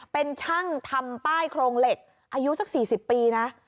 เป็นช่างทำป้ายโครงเหล็กอายุสัก๔๐ปีนะ